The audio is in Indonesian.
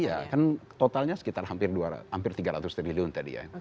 iya kan totalnya sekitar hampir tiga ratus triliun tadi ya